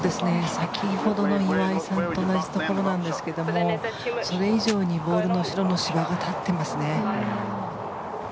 先ほどの岩井さんと同じところなんですけどそれ以上にボールの後ろの芝が立っていますね。